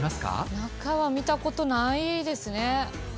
中は見たことないですね。